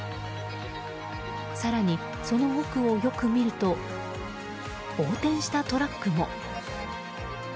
更に、その奥をよく見ると横転したトラックも。